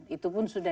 itu pun sudah